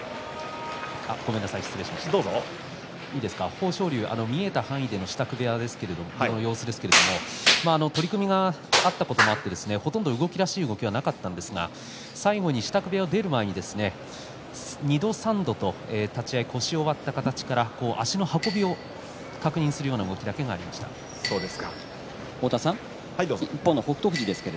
豊昇龍は見えた範囲での支度部屋の様子ですが取組があったこともあってほとんど動きらしい動きはなかったんですが支度部屋を出る前に２度、３度と立ち合い腰を割った形から足の運びを一方の北勝富士です。